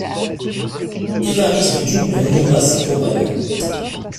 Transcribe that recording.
Évariste Dumoulin nomma ses compagnons.